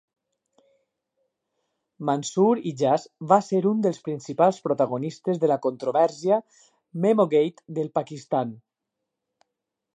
Mansoor Ijaz va ser un dels principals protagonistes de la controvèrsia "Memogate" del Pakistan.